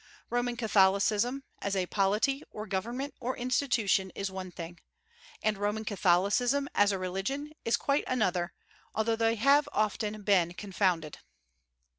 Roman Catholicism, as a polity, or government, or institution, is one thing; and Roman Catholicism, as a religion, is quite another, although they have been often confounded.